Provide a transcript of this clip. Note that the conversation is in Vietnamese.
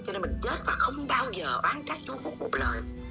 cho nên mình chết và không bao giờ oán trách chú phúc một lời